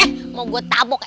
eh mau gue tabok